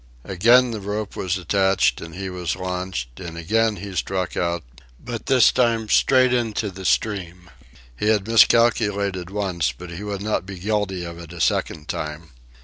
Again the rope was attached and he was launched, and again he struck out, but this time straight into the stream. He had miscalculated once, but he would not be guilty of it a second time.